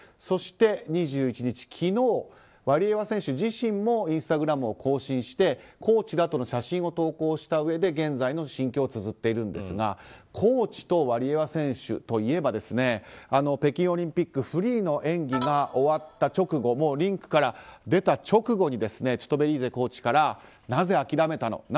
そして２１日、昨日ワリエワ選手自身もインスタグラムを更新してコーチらとの写真を投稿したうえで現在の心境をつづっているんですがコーチとワリエワ選手といえば北京オリンピックフリーの演技が終わった直後リンクから出た直後にトゥトベリーゼコーチからなぜ諦めたの？